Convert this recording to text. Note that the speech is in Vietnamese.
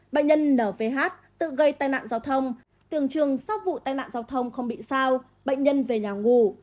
bệnh nhân nv tự gây tai nạn giao thông tường trường sau vụ tai nạn giao thông không bị sao bệnh nhân về nhà ngủ